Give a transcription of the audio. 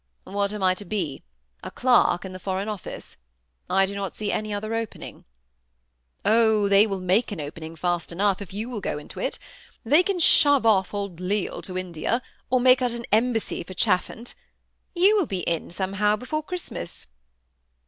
" What am I to be ? a clerk in the Foreign Office ? I do not see any other opening." *^ Oh, they will make an opening fast enough, if you will go in at it They can shove off old Lisle to India, or make out an embassy for Chaffi^nt. You will be in somehow, before Christmas."